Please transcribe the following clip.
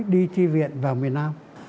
đi tri viện vào miền nam